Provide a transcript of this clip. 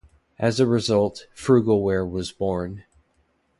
As a result, Frugalware was born.